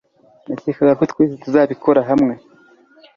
nakekaga ko twese tuzabikora hamwe